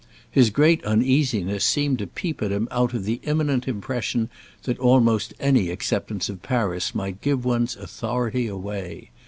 His greatest uneasiness seemed to peep at him out of the imminent impression that almost any acceptance of Paris might give one's authority away.